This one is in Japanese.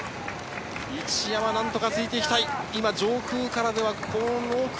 一山、何とかついていきたい。